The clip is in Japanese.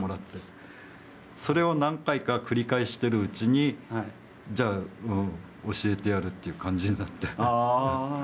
それを何回か繰り返してるうちにじゃあ教えてやるっていう感じになって。